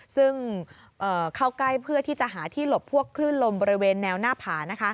ซึ่งเข้าใกล้เพื่อที่จะหาที่หลบพวกคลื่นลมบริเวณแนวหน้าผา